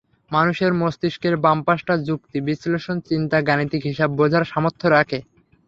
মানুষের মস্তিষ্কের বাম পাশটা যুক্তি, বিশ্লেষণ, চিন্তা, গাণিতিক হিসাব বোঝার সামর্থ্য রাখে।